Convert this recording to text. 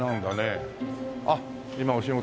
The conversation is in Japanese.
あっ今お仕事。